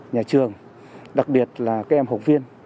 nhà trường đặc biệt là các em học viên